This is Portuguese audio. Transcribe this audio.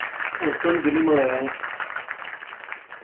Antônio de Lima Leao